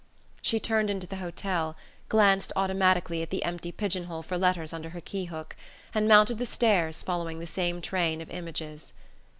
She turned into the hotel, glanced automatically at the empty pigeon hole for letters under her key hook, and mounted the stairs following the same train of images.